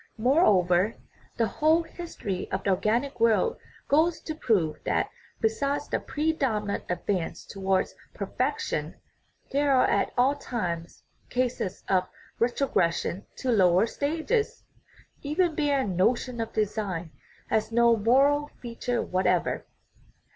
Moreover, the whole history of the organic world goes to prove that, besides the predominant advance towards per fection, there are at all times cases of retrogression to lower stages. Even Baer's notion of "design" has no moral feature whatever.